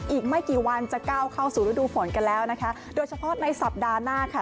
อีกไม่กี่วันจะก้าวเข้าสู่ฤดูฝนกันแล้วนะคะโดยเฉพาะในสัปดาห์หน้าค่ะ